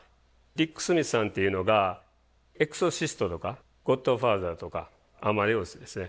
ディック・スミスさんっていうのが「エクソシスト」とか「ゴッドファーザー」とか「アマデウス」ですね